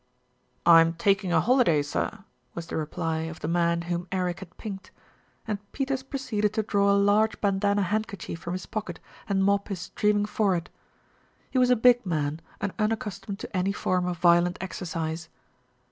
"I am taking a holiday, sir," was the reply of the man whom Eric had pinked, and Peters proceeded to draw a large bandana handkerchief from his pocket and mop his streaming forehead. He was a big man and unaccustomed to any form of violent exercise.